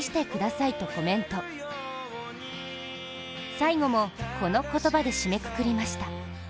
最後も、この言葉で締めくくりました。